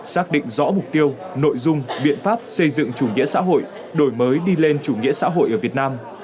xác định rõ mục tiêu nội dung biện pháp xây dựng chủ nghĩa xã hội đổi mới đi lên chủ nghĩa xã hội ở việt nam